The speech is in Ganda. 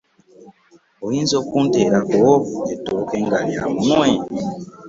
Oyinza okunteerako ettooke nga lya munwe.